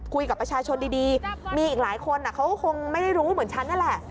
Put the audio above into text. คุยกับประชาชนดีมีอีกหลายคนเขาก็คงไม่ได้รู้เหมือนฉันนั่นแหละ